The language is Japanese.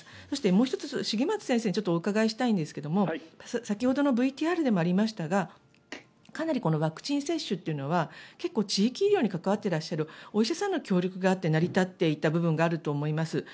そして、もう１つ茂松先生にお伺いしたいんですが先ほどのＶＴＲでもありましたがかなりワクチン接種というのは地域医療に関わっていらっしゃるお医者さんの協力があって成り立っていた部分があると思います。